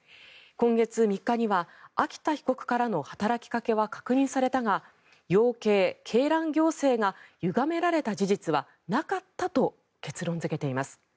今月３日には秋田被告からの働きかけは確認されたが養鶏・鶏卵行政がゆがめられた事実はなかったと結論付けています。